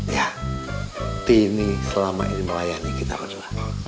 ya tini selama ini melayani kita berdua